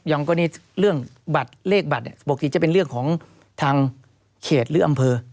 อย่างนี้เรื่องบัตรเลขบัตรบกที่จะเป็นเรื่องของทางเขตหรืออำเภอ